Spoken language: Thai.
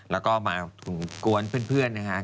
แล้วก็มากวนเพื่อนนะฮะ